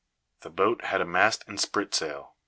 The boat had a mast and spritsail.